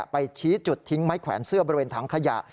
ไปชี้จุดทิ้งไม้แขวนเสื้อบริเวณถังขยะ